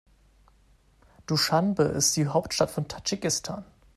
Duschanbe ist die Hauptstadt von Tadschikistan.